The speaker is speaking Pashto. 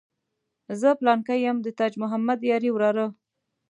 زه پلانکی یم د تاج محمد یاري وراره.